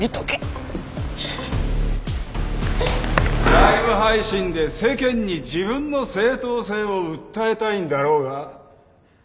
ライブ配信で世間に自分の正当性を訴えたいんだろうが。